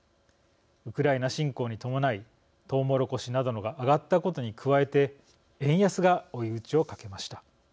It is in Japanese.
ウクライナ侵攻に伴いとうもろこしなどが上がったことに加えて円安が追い打ちをかけました。